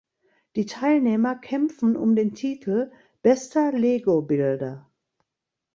Die Teilnehmer kämpfen um den Titel „bester Lego Builder“.